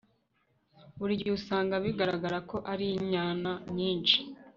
burigihe usanga bigaragara ko ari inyana nyinshi